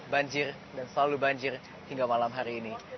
banjir dan selalu banjir hingga malam hari ini